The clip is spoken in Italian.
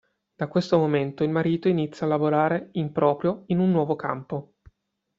Da questo momento il marito inizia a lavorare in proprio in un nuovo campo.